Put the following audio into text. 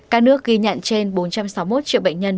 cả nước ghi nhận trên bốn trăm sáu mươi một triệu bệnh nhân